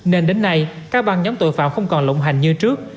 nên đến nay các băng nhóm tội phạm không còn lộng hành như trước